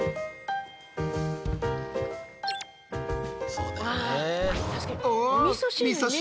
そうだよね。